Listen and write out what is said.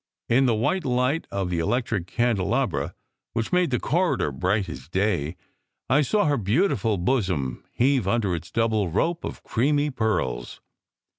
In the white light of the electric candelabra, which made the corridor bright as day, I saw her beautiful bosom heave under its double rope of creamy pearls.